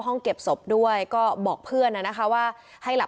พี่น้องวาวาหรือว่าน้องวาวาหรือ